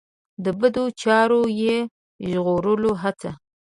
د بدو چارو یې ژغورلو هڅه.